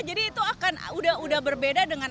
jadi itu akan udah berbeda dengan